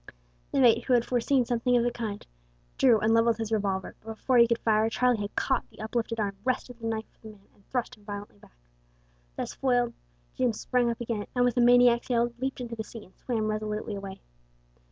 The mate, who had foreseen something of the kind, drew and levelled his revolver, but before he could fire Charlie had caught the uplifted arm, wrested the knife from the man, and thrust him violently back. Thus foiled Jim sprang up again and with a maniac's yell leaped into the sea, and swam resolutely away.